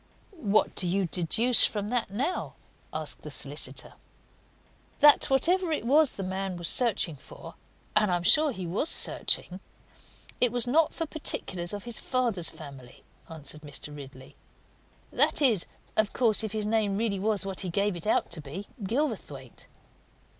"What do you deduce from that, now?" asked the solicitor. "That whatever it was that the man was searching for and I am sure he was searching it was not for particulars of his father's family," answered Mr. Ridley. "That is, of course, if his name really was what he gave it out to be Gilverthwaite."